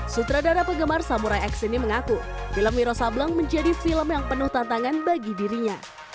sutradara penggemar samurai x ini mengaku film wiro sableng menjadi film yang penuh tantangan bagi dirinya